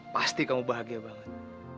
pasti kamu bahagia banget